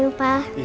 cukup bagus ini